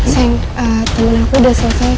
temen aku udah selesai